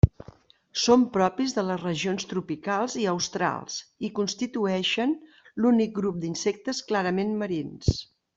Són propis de les regions tropicals i australs, i constitueixen l'únic grup d'insectes clarament marins.